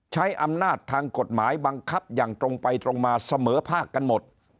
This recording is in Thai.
ใช้อำนาจทางกฎหมายบังคับอย่างตรงไปตรงมาเสมอภาคกันหมด